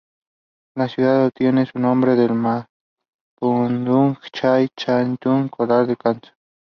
The estate was divided into recreational and residential spaces.